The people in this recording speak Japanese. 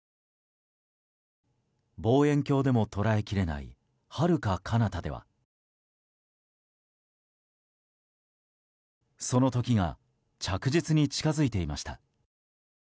望遠鏡でも捉えきれないはるかかなたではその時が着実に近づいていました。